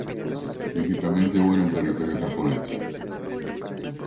Principalmente vuela en territorio Japones.